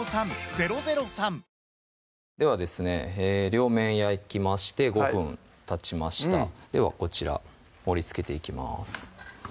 両面焼きまして５分たちましたではこちら盛りつけていきます